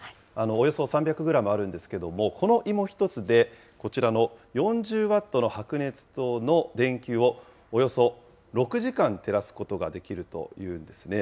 およそ３００グラムあるんですけれども、この芋１つで、こちらの４０ワットの白熱灯の電球をおよそ６時間照らすことができるというんですね。